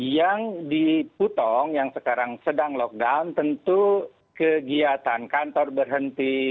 yang di putong yang sekarang sedang lockdown tentu kegiatan kantor berhenti